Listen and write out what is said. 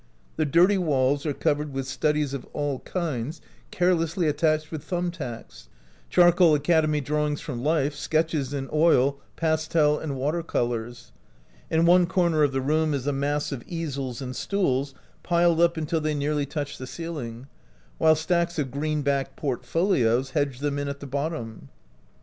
The dirty walls are covered with studies of all kinds, carelessly attached with thumb tacks — charcoal acad emy drawings from life, sketches in oil, pas tel, and water colors. In one corner of the room is a mass of easels and stools piled up until they nearly touch the ceiling, while stacks of green backed portfolios hedge them in at the bottom.